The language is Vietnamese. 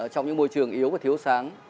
trong những môi trường yếu và thiếu sáng